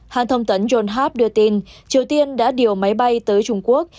hàn thông tấn john harp đưa tin triều tiên đã điều máy bay tới trung quốc